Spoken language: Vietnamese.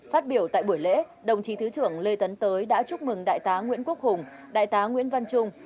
phát biểu tại buổi lễ đồng chí thứ trưởng lê tấn tới đã chúc mừng đại tá nguyễn quốc hùng đại tá nguyễn văn trung